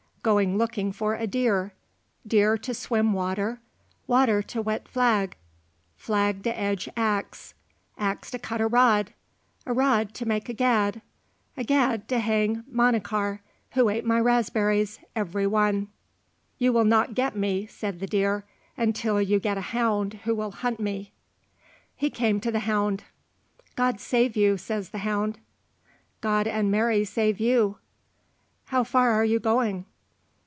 "Going looking for a deer, deer to swim water, water to wet flag, flag to edge axe, axe to cut a rod, a rod to make a gad, a gad to hang Manachar, who ate my raspberries every one." "You will not get me," said the deer, "until you get a hound who will hunt me." He came to the hound. "God save you," says the hound. "God and Mary save you." "How far are you going?"